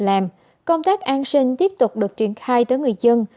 làm công tác an sinh tiếp tục được triển khai tới người dân